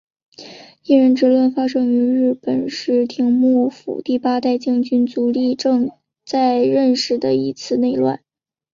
应仁之乱发生于日本室町幕府第八代将军足利义政在任时的一次内乱。